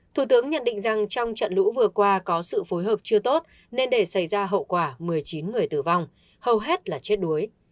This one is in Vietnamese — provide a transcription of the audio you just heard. thủ tướng nhận định rằng trong trận lũ vừa qua có sự phối hợp chưa tốt nên để xảy ra hậu quả một mươi chín người tử vong hầu hết là chết đuối